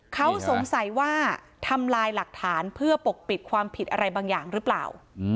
เขาสงสัยว่าทำลายหลักฐานเพื่อปกปิดความผิดอะไรบางอย่างหรือเปล่า